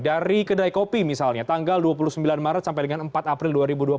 dari kedai kopi misalnya tanggal dua puluh sembilan maret sampai dengan empat april dua ribu dua puluh